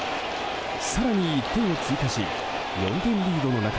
更に１点を追加し４点リードの中